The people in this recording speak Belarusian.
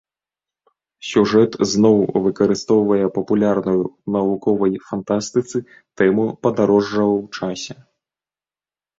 Сюжэт зноў выкарыстоўвае папулярную ў навуковай фантастыцы тэму падарожжаў у часе.